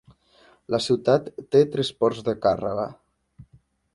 La ciutat té tres ports de càrrega.